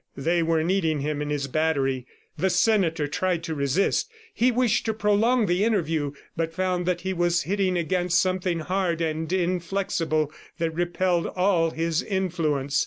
They were needing him in his battery. The senator tried to resist; he wished to prolong the interview, but found that he was hitting against something hard and inflexible that repelled all his influence.